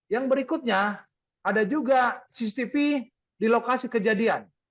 yang berikutnya ada juga cctv di lokasi kejadian